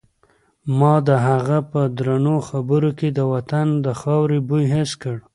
ما د هغې په درنو خبرو کې د وطن د خاورې بوی حس کړ.